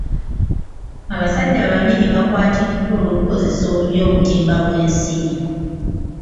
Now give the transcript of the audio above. Abasajja babiri bakwatiddwa olw'okukozesa obubi obutimba bw'ensiri.